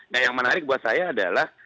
nah yang menarik buat saya adalah